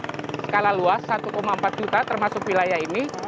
skala luas satu empat juta termasuk wilayah ini